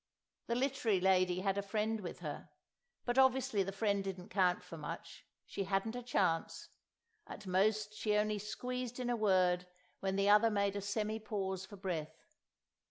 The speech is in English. The Literary Lady had a friend with her, but obviously the friend didn't count for much, she hadn't a chance; at most she only squeezed in a word when the other made a semi pause for breath.